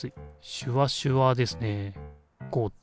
シュワシュワですね。